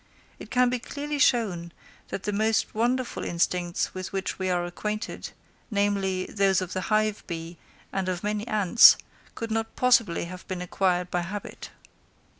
It can be clearly shown that the most wonderful instincts with which we are acquainted, namely, those of the hive bee and of many ants, could not possibly have been acquired by habit.